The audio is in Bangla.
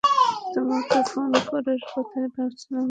তোমাকে ফোন করার কথাই ভাবছিলাম, কিন্তু সবকিছু ঠিক আছে।